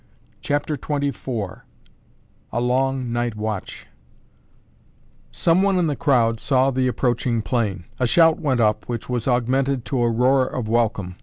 CHAPTER XXIV A LONG NIGHT WATCH Someone in the crowd saw the approaching plane. A shout went up which was augmented to a roar of welcome.